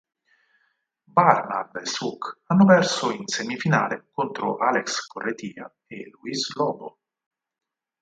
Barnard e Suk hanno perso in semifinale contro Àlex Corretja e Luis Lobo.